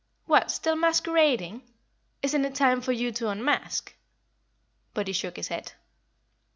"What, still masquerading? Isn't it time for you to unmask?" But he shook his head.